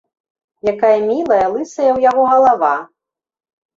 Якая мілая лысая ў яго галава!